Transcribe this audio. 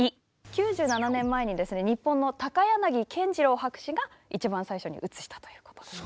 ９７年前にですね日本の高柳健次郎博士が一番最初に映したということで。